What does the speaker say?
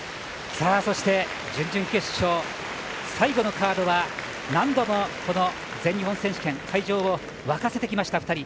そして、準々決勝最後のカードは何度もこの全日本選手権会場を沸かせてきました、２人。